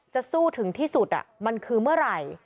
จะสู้ถึงที่สุดมันคือเมื่อไหร่